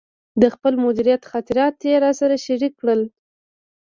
د خپل مدیریت خاطرات یې راسره شریک کړل.